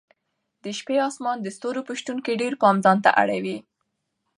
د شپې اسمان د ستورو په شتون کې ډېر پام ځانته اړوي.